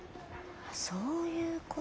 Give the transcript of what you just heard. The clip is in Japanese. そういうこと。